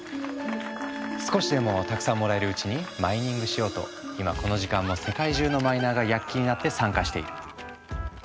少しでもたくさんもらえるうちにマイニングしようと今この時間も世界中のマイナーが躍起になって参加している。